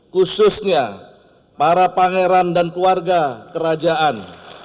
khususnya para pangeran dan keluarga kerajaan